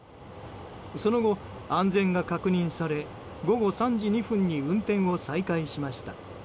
その後、安全が確認され午後３時２分に運転を再開しました。